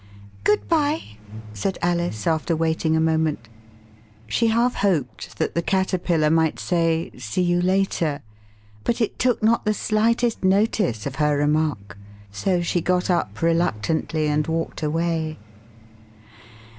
" Good bye," said Alice, after waiting a moment ; she half hoped that the Caterpillar might say, See you later," but it took not the slightest notice of her remark, so she got up reluctantly and walked away.